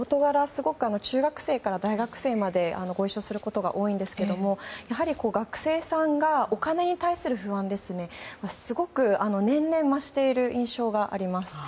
すごく中学生から大学生までご一緒することが多いんですがやはり、学生さんのお金に対する不安がすごく年々、増している印象があります。